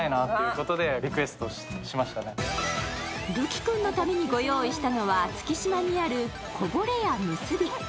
瑠姫君のためにご用意したのは、月島にあるこぼれや結。